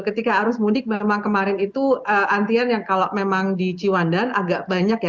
ketika arus mudik memang kemarin itu antrian yang kalau memang di ciwandan agak banyak ya